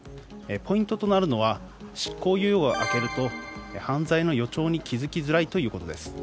ポイントとなるのは執行猶予が明けると犯罪の予兆に気づきづらいということです。